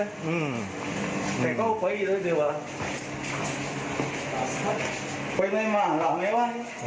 ไปไม่มาหลับไหมว่ะ